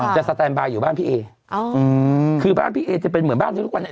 สแตนบายอยู่บ้านพี่เอคือบ้านพี่เอจะเป็นเหมือนบ้านที่ทุกวันนี้